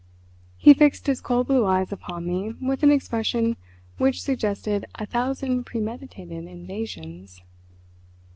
He fixed his cold blue eyes upon me with an expression which suggested a thousand premeditated invasions.